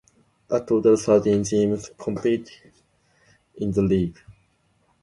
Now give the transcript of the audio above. A total of thirteen teams compete in the league.